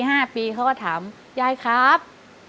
เขาก็ถามยายครับ